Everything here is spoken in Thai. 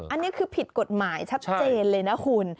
อันนี้คือผิดกฎหมายชัดเจนเลยนะคุณ